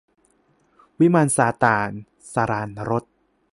วิมานซาตาน - สราญรส